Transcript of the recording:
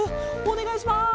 おねがいします。